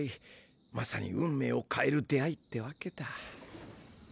まさに運命をかえる出会いってわけだ。